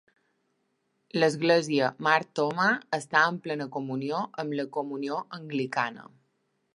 L'Església Mar Thoma està en plena comunió amb la Comunió anglicana.